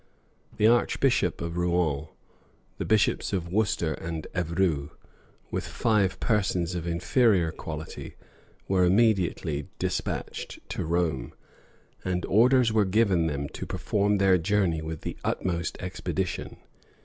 The archbishop of Rouen, the bishops of Worcester and Evreux, with five persons of inferior quality, were immediately despatched to Rome, and orders were given them to perform their journey with the utmost expedition.